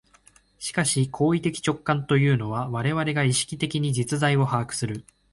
しかし行為的直観というのは、我々が意識的に実在を把握する、